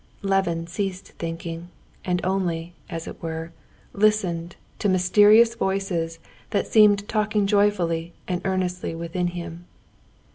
Levin ceased thinking, and only, as it were, listened to mysterious voices that seemed talking joyfully and earnestly within him.